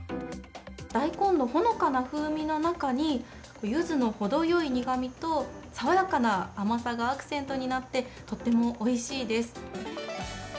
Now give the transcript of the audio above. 大根のほのかな風味の中にゆずのほどよい苦味とさわやかな甘さがアクセントになってとってもおいしいです。